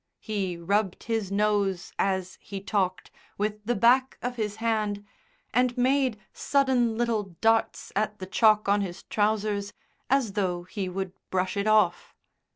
He rubbed his nose, as he talked, with the back of his hand, and made sudden little darts at the chalk on his trousers, as though he would brush it off.